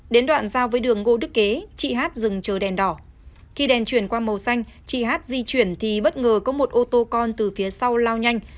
đến đoạn giao với đường ngô đức kế chị hát dừng chờ đèn đỏ khi đèn chuyển qua màu xanh chị hát di chuyển thì bất ngờ có một ô tô con từ phía sau lao nhanh